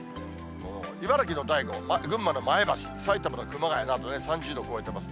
茨城の大子、群馬の前橋、埼玉の熊谷などで３０度を超えています。